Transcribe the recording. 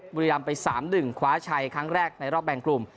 บุรีรัมต์ไปสามหนึ่งคว้าชายครั้งแรกในรอบแบงกลุ่ม